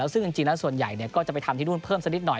ซึ่งจริงแล้วส่วนใหญ่ก็จะไปทำที่นู่นเพิ่มสักนิดหน่อย